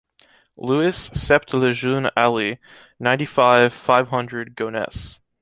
Louis sept Le Jeune Alley, ninety-five, five hundred, Gonesse.